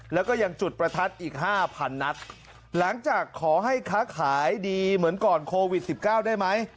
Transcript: แล้วก็ยังจุดประทัดอีกห้าพันนัดหลังจากขอให้ค้าขายดีเหมือนก่อนโควิดสิบเก้าได้ไหม